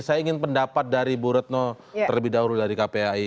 saya ingin pendapat dari bu retno terlebih dahulu dari kpai